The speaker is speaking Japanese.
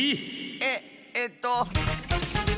えっえっと。